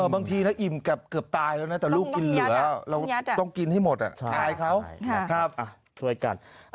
บางทีถ้าอิ่มเกือบตายแล้วลูกกินเหลือเราต้องกินให้หมดอายเขา